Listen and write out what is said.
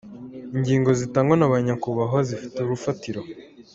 Ingingo zitangwa n’aba banyakubahwa zifite urufatiro?